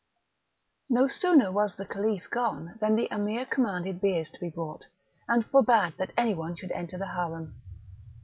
No sooner was the Caliph gone than the Emir commanded biers to be brought, and forbad that any one should enter the harem.